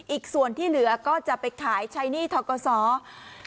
อีกส่วนที่เหลือก็จะไปขายใช้หนี้ทกศ